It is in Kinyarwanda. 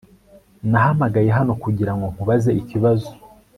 Naguhamagaye hano kugirango nkubaze ikibazo